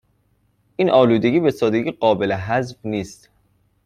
این آلودگی به سادگی قابل حذف نیست